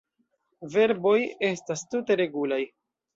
Verboj estas tute regulaj.